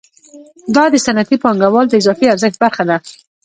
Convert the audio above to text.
دا د صنعتي پانګوال د اضافي ارزښت برخه ده